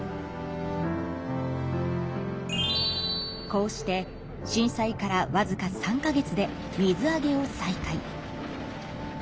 こうして震災からわずか３か月で水揚げを再開。